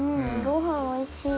ごはんおいしい。